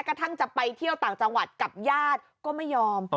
กระทั่งจะไปเที่ยวต่างจังหวัดกับญาติก็ไม่ยอม